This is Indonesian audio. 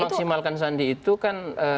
memaksimalkan sandi itu kan